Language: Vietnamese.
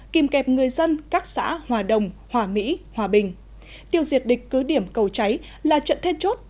kìm kẹp người dân các xã hòa đồng hòa mỹ hòa bình tiêu diệt địch cứ điểm cầu cháy là trận then chốt